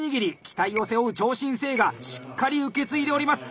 期待を背負う超新星がしっかり受け継いでおります。